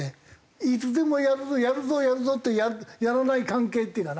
いつでもやるぞやるぞやるぞってやらない関係っていうかな。